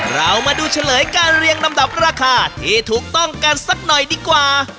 เรามาดูเฉลยการเรียงลำดับราคาที่ถูกต้องกันสักหน่อยดีกว่า